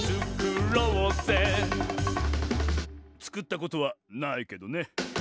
「つくったことはないけどね」